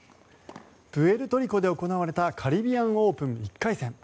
プエルトリコで行われたカリビアン・オープン１回戦。